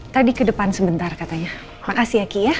tadi ke depan sebentar katanya makasih ya ki ya